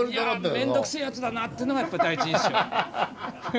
いや面倒くせえやつだなっていうのがやっぱ第一印象。